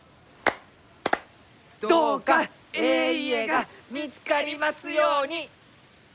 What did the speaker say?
どうかえい家が見つかりますように！